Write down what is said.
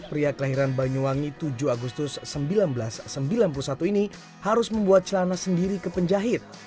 pria kelahiran banyuwangi tujuh agustus seribu sembilan ratus sembilan puluh satu ini harus membuat celana sendiri ke penjahit